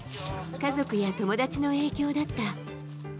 家族や友達の影響だった。